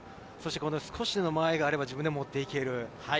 少しでも間合いがあれば自分で持っていける。